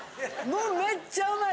もうめっちゃうまい！